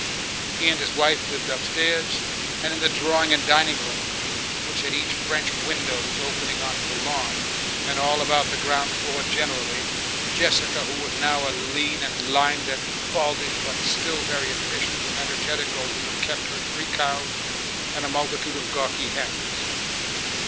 He and his wife lived upstairs, and in the drawing and dining rooms, which had each French windows opening on the lawn, and all about the ground floor generally, Jessica, who was now a lean and lined and baldish but still very efficient and energetic old woman, kept her three cows and a multitude of gawky hens.